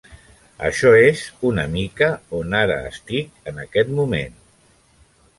Això és una mica on ara estic en aquest moment.